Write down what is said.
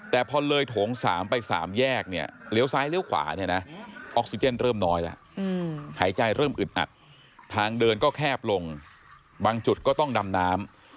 แต่พอเลยโถง๓ไป๓แยกเนี่ยเลี้ยวซ้ายเลี้ยวขวาเนี่ยนะออกซิเจนเริ่มน้อยแล้วหายใจเริ่มอึดอัดทางเดินก็แคบลงบางจุดก็ต้องดำน้ำ